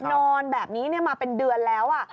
นอนแบบนี้มาเป็นเดือนแล้ว